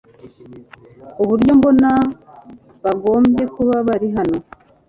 uburyo mbona, bagombye kuba bari hano